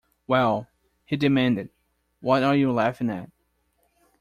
"Well," he demanded, "what are you laughing at?"